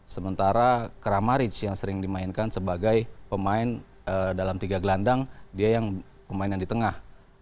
sementara krama ric yang sering dimainkan sebagai pemain dalam tiga gelandang dia yang pemain yang di tengah